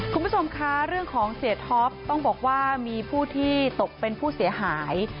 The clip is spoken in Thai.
คุณผู้ชมคะเรื่องของเสียท็อปต้องบอกว่ามีผู้ที่ตกเป็นผู้เสียหาย